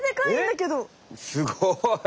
すごい。